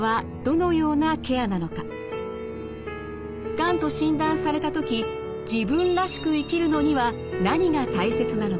がんと診断された時自分らしく生きるのには何が大切なのか。